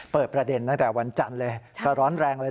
เปิดประเด็นตั้งแต่วันจันทร์เลยก็ร้อนแรงเลย